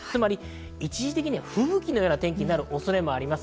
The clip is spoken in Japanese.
一時的に吹雪のような天気になる恐れもあります。